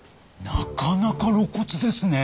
なかなか露骨ですね。